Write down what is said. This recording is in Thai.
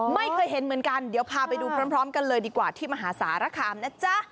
ไม่เคยเห็นเหมือนกันเดี๋ยวพาไปดูพร้อมกันเลยดีกว่าที่มหาสารคามนะจ๊ะ